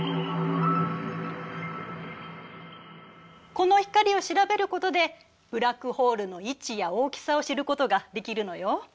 この光を調べることでブラックホールの位置や大きさを知ることができるのよ。